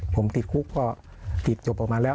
ผมติดคุกก็จิตจบออกมาแล้ว